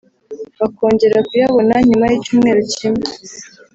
bakongera kuyabona nyuma y’icyumweru kimwe